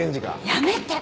やめて！